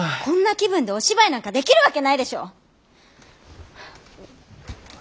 こんな気分でお芝居なんかできるわけないでしょ！